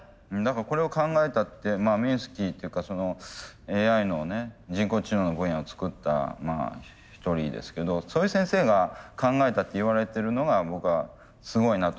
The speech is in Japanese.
これを考えたミンスキーっていうかＡＩの人工知能の分野を作った一人ですけどそういう先生が考えたっていわれてるのが僕はすごいなと思うんですよ。